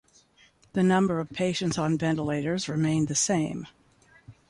The number of patients on ventilators remained the same.